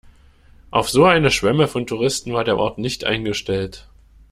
Auf so eine Schwemme von Touristen war der Ort nicht eingestellt.